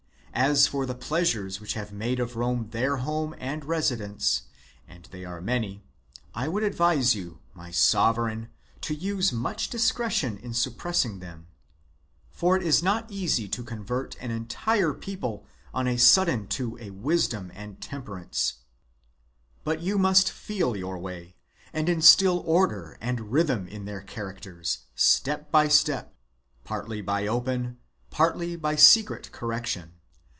As for the pleasures which have made of Rome their home and residence, and they are many, I would advise you, my sovereign, to use much discretion in suppressing them ; for it is not easy to convert an entire people on a sudden to a wisdom and temperance ; but you must feel your way and instil order and rhythm in their characters step by step, partly by open, partly by secret correction.